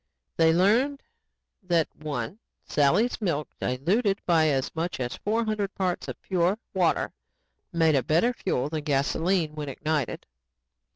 They learned that (1) Sally's milk, diluted by as much as four hundred parts of pure water, made a better fuel than gasoline when ignited.